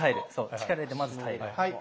力入れてまず耐える。